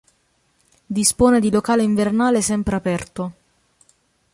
Dispone di locale invernale sempre aperto.